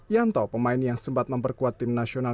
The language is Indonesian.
yanto pemain yang sempat memperkuat tim nasional